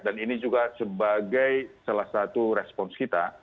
dan ini juga sebagai salah satu respons kita